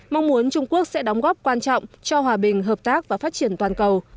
mong muốn trung quốc sẽ đóng góp quan trọng cho hòa bình hợp tác và phát triển toàn cầu